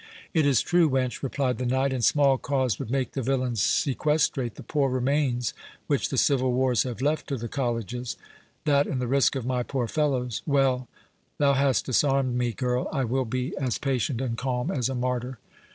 "It is true, wench," replied the knight; "and small cause would make the villains sequestrate the poor remains which the civil wars have left to the colleges. That, and the risk of my poor fellows—Well! thou hast disarmed me, girl. I will be as patient and calm as a martyr."